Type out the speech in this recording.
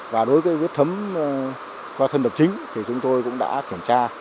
và đối với vết thấm qua thân đập chính thì chúng tôi cũng đã kiểm tra